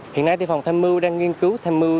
hiện nay thì phòng tham mưu đang nghiên cứu tham mưu